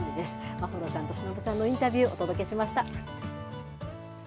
眞秀さんとしのぶさんのインタビューをお届けしました。